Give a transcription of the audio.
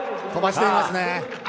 飛ばしていますね。